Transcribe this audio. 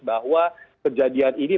bahwa kejadian ini